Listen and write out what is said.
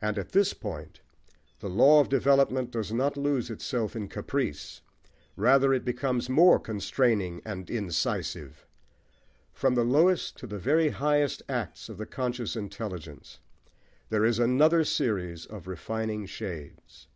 And at this point the law of development does not lose itself in caprice: rather it becomes more constraining and incisive. From the lowest to the very highest acts of the conscious intelligence, there is another series of refining shades.